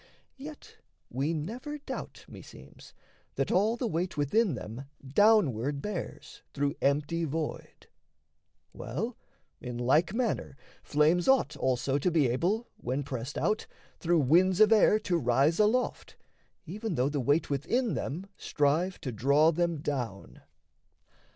Yet we never doubt, meseems, That all the weight within them downward bears Through empty void. Well, in like manner, flames Ought also to be able, when pressed out, Through winds of air to rise aloft, even though The weight within them strive to draw them down.